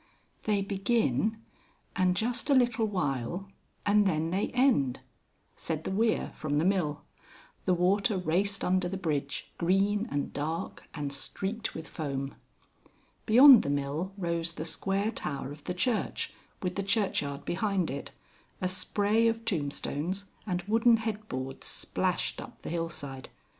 "They begin, and just a little while, and then they end," said the weir from the mill. The water raced under the bridge, green and dark, and streaked with foam. Beyond the mill rose the square tower of the church, with the churchyard behind it, a spray of tombstones and wooden headboards splashed up the hillside.